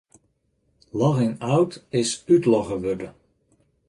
Logging out is útlogge wurden.